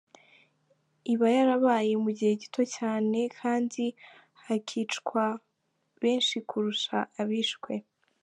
Iba yarabaye mu gihe gito cyane, kandi hakicwa benshi kurusha abishwe.